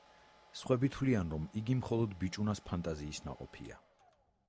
სხვები თვლიან, რომ იგი მხოლოდ ბიჭუნას ფანტაზიის ნაყოფია.